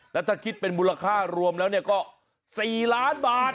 แล้วถ้าคิดเป็นมูลค่ารวมแล้วก็๔ล้านบาท